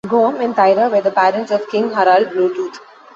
Gorm and Thyra were the parents of King Harald Bluetooth.